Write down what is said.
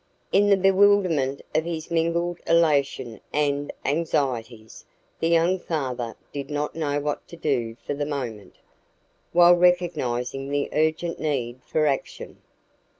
In the bewilderment of his mingled elation and anxieties, the young father did not know what to do for the moment, while recognising the urgent need for action.